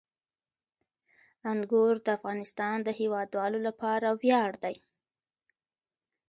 انګور د افغانستان د هیوادوالو لپاره ویاړ دی.